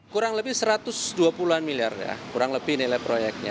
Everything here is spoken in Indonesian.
kurang lebih satu ratus dua puluh an miliar ya kurang lebih nilai proyeknya